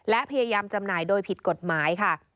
และพยายามจำหน่ายโดยผิดกฎหมายค่ะ